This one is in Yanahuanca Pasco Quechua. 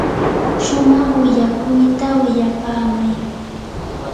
shumaq willakuyta willapaamay.